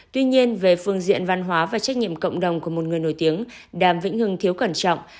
tuy nhiên về phương diện văn hóa và trách nhiệm cộng đồng của một người nổi tiếng đàm vĩnh hưng thiếu cẩn trọng